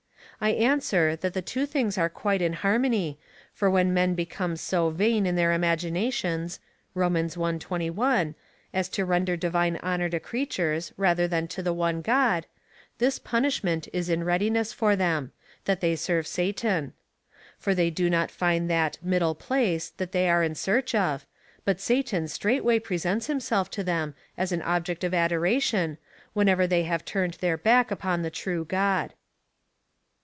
I answer, that the two things are quite in har mony, for wlien men become so vain in their imaginations (Rom. i. 21) as to render divine honour to creatures, rather than to the one God, this punishment is in readiness for them — that they serve Satan. For they do not find that "middle place "^ that they are in search of, but Satan straight way presents himself to them, as an object of adoration, whenever they have turned their back upon the true God.